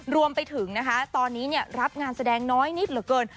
รวมไปถึงนะคะตอนนี้รับงานแสดงน้อยนิดเหลือเกิน